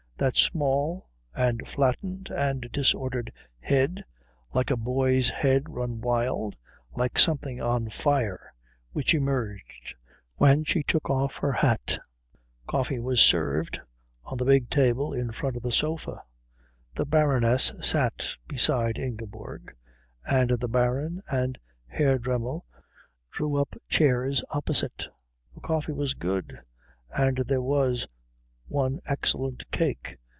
That small and flattened and disordered head, like a boy's head run wild, like something on fire, which emerged when she took off her hat.... Coffee was served on the big table in front of the sofa. The Baroness sat beside Ingeborg, and the Baron and Herr Dremmel drew up chairs opposite. The coffee was good, and there was one excellent cake.